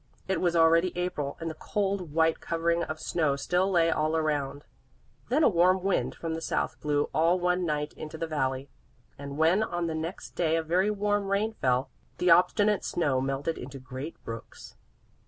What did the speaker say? It was already April, and the cold white covering of snow still lay all around. Then a warm wind from the South blew all one night into the valley, and when on the next day a very warm rain fell, the obstinate snow melted into great brooks.